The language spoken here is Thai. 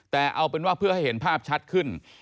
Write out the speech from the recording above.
แต่เอาเป็นว่าเพื่อให้เห็นภาพชัดขึ้น